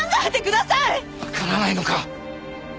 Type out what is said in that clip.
わからないのか？